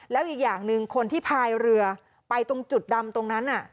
แล้วอีกอย่างหนึ่งคนที่พายเรือไปตรงจุดดำตรงนั้น